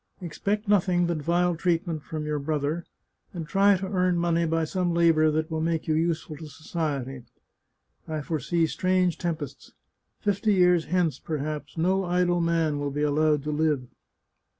Expect nothing but vile treatment from your brother, and try to earn money by some labour that will make you useful to society. I fore see strange tempests; fifty years hence, perhaps, no idle man will be allowed to live.